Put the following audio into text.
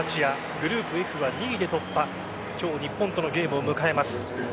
グループＦは２位で突破今日、日本とのゲームを迎えます。